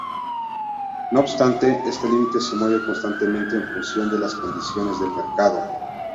No obstante, este límite se mueve constantemente en función de las condiciones del mercado.